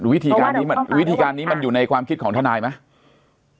วิธีการนี้วิธีการนี้มันอยู่ในความคิดของทนายไหม